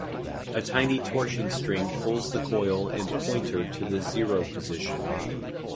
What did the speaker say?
A tiny torsion spring pulls the coil and pointer to the zero position.